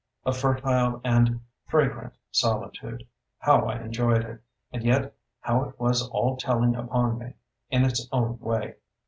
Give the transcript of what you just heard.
A fertile and fragrant solitude. How I enjoyed it; and yet how it was all telling upon me, in its own way!